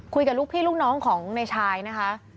คุยกับลูกพี่ลูกน้องของในชายนะคะ